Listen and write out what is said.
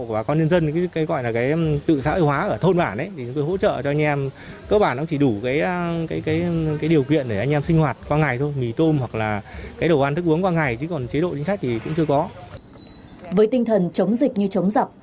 với tinh thần chống dịch như chống dập